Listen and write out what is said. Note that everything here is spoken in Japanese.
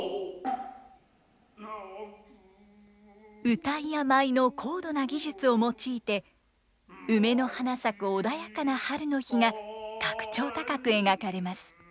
謡や舞の高度な技術を用いて梅の花咲く穏やかな春の日が格調高く描かれます。